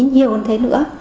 nhiều hơn thế nữa